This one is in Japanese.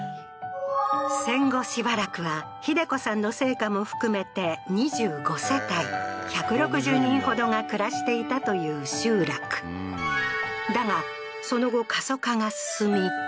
戦後しばらくは秀子さんの生家も含めて２５世帯１６０人ほどが暮らしていたという集落だがその後過疎化が進み